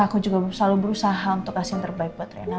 aku juga selalu berusaha untuk kasih yang terbaik buat renang